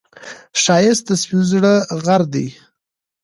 ښایست د سپين زړه غږ دی